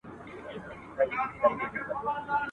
زه مین پر هغه ملک پر هغه ښار یم !.